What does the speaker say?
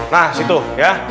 nah situ ya